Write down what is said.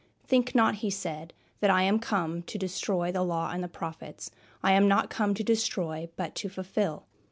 "Think not," he said, "that I am come to destroy the Law and the Prophets. I am not come to destroy but to fulfill."